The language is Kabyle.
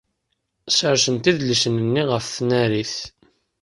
Ssersent idlisen-nni ɣef tnarit.